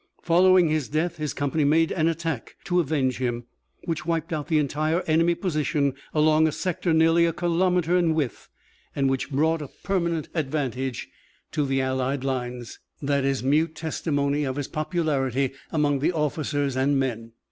"Following his death his company made an attack to avenge him, which wiped out the entire enemy position along a sector nearly a kilometre in width and which brought a permanent advantage to the Allied lines. That is mute testimony of his popularity among the officers and men.